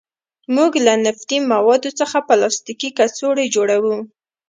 موږ له نفتي موادو څخه پلاستیکي کڅوړې جوړوو.